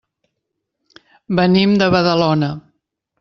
Venim de Badalona.